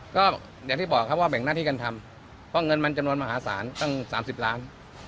ก็อย่างที่บอกครับว่าแบ่งหน้าที่กันทำเพราะเงินมันจำนวนมหาศาลตั้ง๓๐ล้าน